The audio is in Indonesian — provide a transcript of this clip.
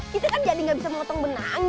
kita kan jadi nggak bisa mengotong benangnya